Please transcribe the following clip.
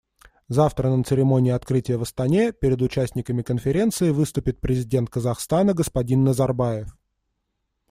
Завтра на церемонии открытия в Астане перед участниками Конференции выступит Президент Казахстана господин Назарбаев.